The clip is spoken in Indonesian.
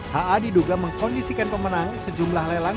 ha diduga mengkondisikan pemenang sejumlah lelang